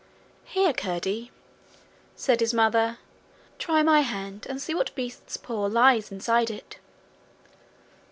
'Here, Curdie,' said his mother, 'try my hand, and see what beast's paw lies inside it.'